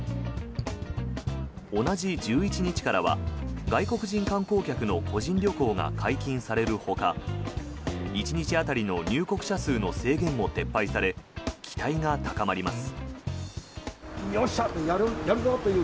同じ１１日からは外国人観光客の個人旅行が解禁されるほか１日当たりの入国者数の制限も撤廃され期待が高まります。